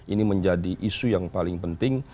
ini menjadi isu yang paling penting